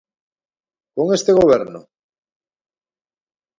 Con este goberno?